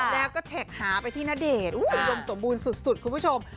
แล้วก็แท็กหาไปที่ณเดชน์อุดมสมบูรณ์สุดคุณผู้ชม